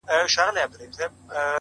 o ستا د پښې پايزيب مي تخنوي گلي،